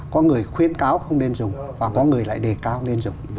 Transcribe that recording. có người khuyến cáo không nên dùng và có người lại đề cao nên dùng